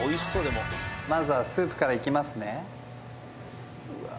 まずはスープからいきますねうわ